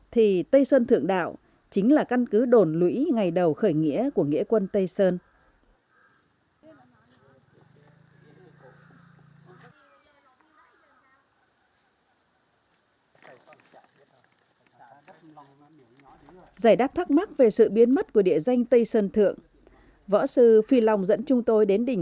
thì tây sơn thượng đạo